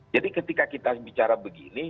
jadi ketika kita bicara begini